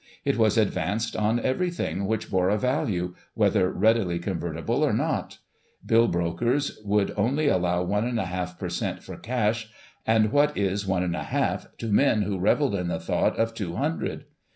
It was advanced on everything which bore a value, whether readily convertible, or not. Bill brokers would only allow one and a half per cent, for cash ; and what is one and a half to men who revelled in the thought of two hundred